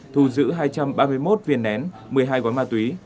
thu giữ hai trăm ba mươi một viên nén một mươi hai gói ma túy